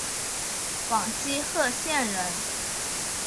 广西贺县人。